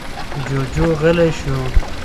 جُوجُو غلی شو.